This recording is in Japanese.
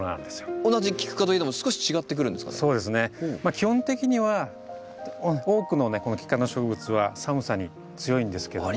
基本的には多くのキク科の植物は寒さに強いんですけども。